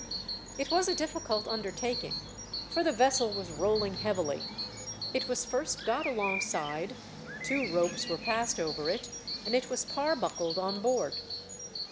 It was a difficult undertaking, for the vessel was rolling heavily. It was first got alongside, two ropes were passed over it, and it was parbuckled on board.